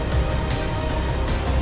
sampai jumpa lagi